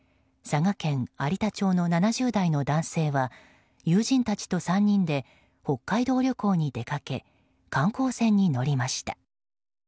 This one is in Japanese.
佐賀県有田町の７０代の男性は友人たちと３人で北海道旅行に出かけ観光船に乗りました。